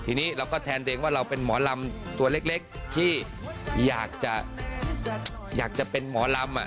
ทีนี้เราก็แทนตัวเองว่าเราเป็นหมอลำตัวเล็กที่อยากจะเป็นหมอลำ